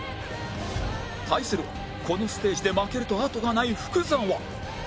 対するこのステージで負けると後がない福澤